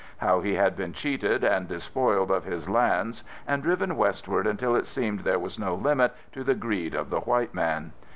How he had been cheated and dispoiled of his lands and driven westward until it seemed there was no limit to the greed of the white man.